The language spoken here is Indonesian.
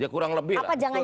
kurang lebih lah